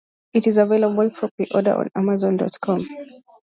It is available for pre-order on amazon dot com.